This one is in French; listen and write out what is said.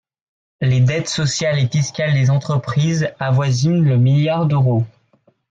Les dettes sociales et fiscales des entreprises avoisinent le milliard d’euros.